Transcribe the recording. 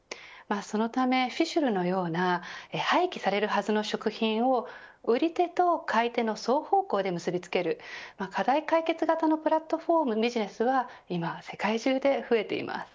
そのためｆｉｓｈｌｌｅ！のような廃棄されるはずの食品を売り手と買い手の双方向で結び付ける課題解決型のプラットフォームビジネスは今、世界中で増えています。